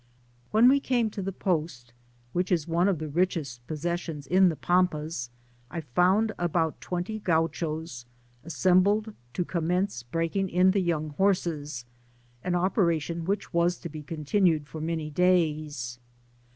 When we came to the post, which is one of the richest possessions in the Pampas, I found about twenty Gauchos assembled to commence breaking in the young horses, an operation which was to be continued for many days.